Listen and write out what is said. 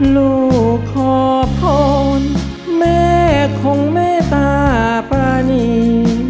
ลูกขอพรแม่ของแม่ตาปรานี